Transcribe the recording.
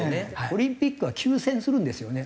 オリンピックは休戦するんですよね。